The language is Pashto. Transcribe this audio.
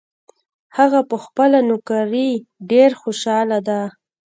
هغه په خپله نوکري ډېر خوشحاله ده